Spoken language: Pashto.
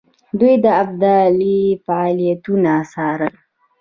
دوی د ابدالي فعالیتونه څارل.